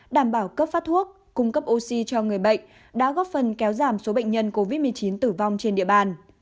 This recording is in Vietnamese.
đảm bảo cấp phát thuốc cung cấp oxy cho người bệnh đã góp phần kéo giảm số bệnh nhân covid một mươi chín tử vong trên địa bàn